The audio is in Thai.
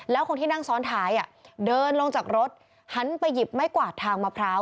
แล้วคนที่นั่งซ้อนท้ายเดินลงจากรถหันไปหยิบไม้กวาดทางมะพร้าว